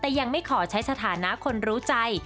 แต่ยังไม่ขอใช้สถานะคนรู้ใจ